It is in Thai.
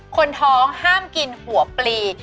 คนท้องห้ามกินหัวปลี